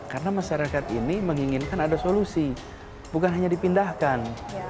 karena masyarakat ini menginginkan ada solusi bukan hanya dipindahkan